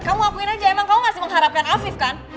kamu akuin aja emang kamu masih mengharapkan afif kan